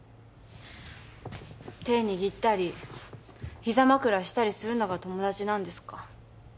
手握ったり膝枕したりするのが友達なんですか？